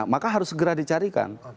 maka harus segera dicarikan